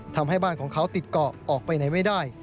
ทำให้บ้านของเขาติดเกาะออกไปไหนไม่ได้